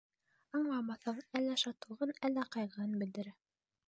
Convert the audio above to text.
Аңламаҫһың, әллә шатлығын, әллә ҡайғыһын белдерә.